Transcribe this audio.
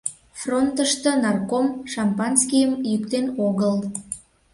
Фронтышто нарком шампанскийым йӱктен огыл.